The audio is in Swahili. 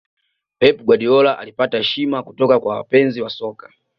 pep guardiola alipata heshima kutoka kwa wapenzi wa soka